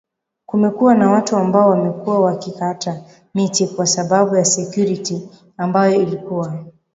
kumekuwa na watu ambao wamekuwa wakikata miti kwa sababu ya security ambayo ilikuwa